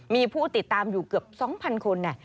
มีผู้ติดตามอยู่เกือบ๒๐๐คน